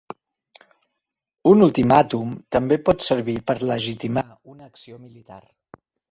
Un ultimàtum també pot servir per legitimar una acció militar.